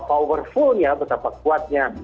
powerfulnya betapa kuatnya